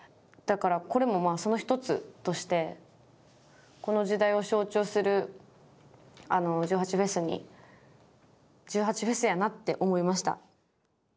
だからこれもその一つとしてこの時代を象徴する１８祭に１８祭やなって思いました。